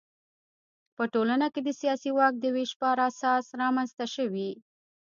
په ټولنه کې د سیاسي واک د وېش پر اساس رامنځته شوي.